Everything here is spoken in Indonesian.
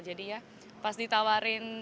jadi ya pas ditawarin